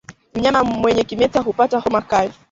Mnyama mwenye kimeta hupata homa kali